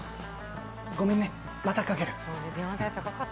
ごめんね、またかける。